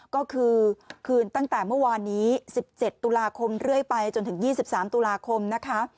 ก็คือคืนตั้งแต่เมื่อวานนี้๑๗ตุลาคมเรื่อยไปจนถึง๒๓ตุลาคมนะคะ